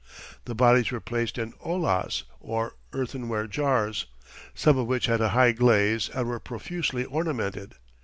The bodies were placed in ollas, or earthenware jars, some of which had a high glaze and were profusely ornamented.